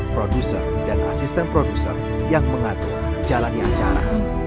produser dan asisten produser yang mengatur jalannya acara